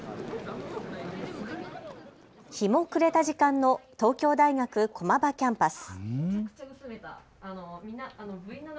日も暮れた時間の東京大学駒場キャンパス。